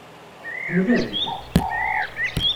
Ḥemmlen-t?